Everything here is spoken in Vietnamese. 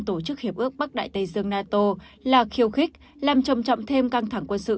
tổ chức hiệp ước bắc đại tây dương nato là khiêu khích làm trầm trọng thêm căng thẳng quân sự